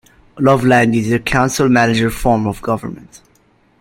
Loveland uses a council-manager form of government.